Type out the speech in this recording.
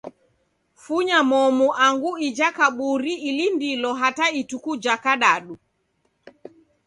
Funya momu angu ija kaburi ilindilo hata ituku ja kadadu.